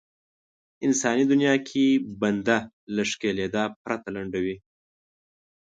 انساني دنيا کې بنده له ښکېلېدا پرته لنډوي.